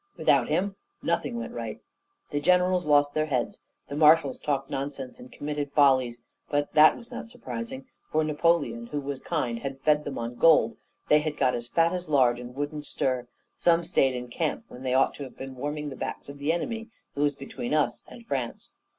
without him nothing went right; the generals lost their heads, the marshals talked nonsense and committed follies; but that was not surprising, for Napoleon, who was kind, had fed 'em on gold; they had got as fat as lard, and wouldn't stir; some stayed in camp when they ought to have been warming the backs of the enemy who was between us and France.